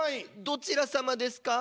どちらさまですか？